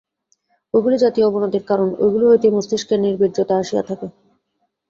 ঐগুলি জাতীয় অবনতির কারণ, ঐগুলি হইতেই মস্তিষ্কের নির্বীর্যতা আসিয়া থাকে।